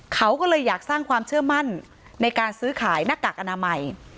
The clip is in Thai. เขาก็เลยอยากสร้างความเชื่อมั่นในการซื้อขายหน้ากากอนามัย